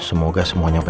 aku gak boleh ikut campur